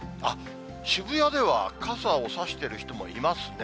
渋谷では傘を差してる人もいますね。